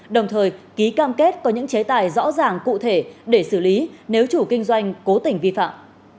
đồng thời ký cam kết có những chế tài rõ ràng cụ thể để xử lý nếu chủ kinh doanh cố tình vi phạm